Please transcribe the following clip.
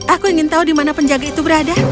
aku ingin tahu di mana penjaga itu berada